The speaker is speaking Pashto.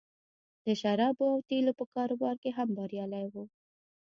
د شرابو او تیلو په کاروبار کې هم بریالی و